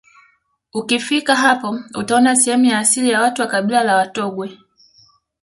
Ukifika hapo utaona sehemu ya asili ya watu wa kabila la Watongwe